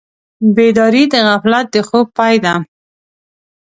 بیداري د غفلت د خوب پای ده.